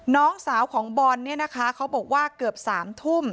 น้องสาวของบอลเนี่ยนะคะเขาบอกว่าเกือบ๓ทุ่ม